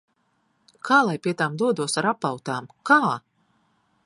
Kā lai pie tām dodos ar apautām? Kā?